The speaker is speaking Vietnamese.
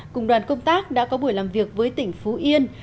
cùng đoàn công tác đã có buổi làm việc với tỉnh phú yên